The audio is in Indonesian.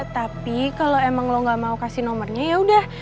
tapi kalau emang lo gak mau kasih nomornya yaudah